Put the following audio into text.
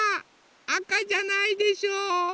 あかじゃないでしょ。